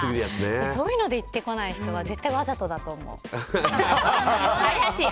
そういうので言ってこない人は絶対わざとだと思う。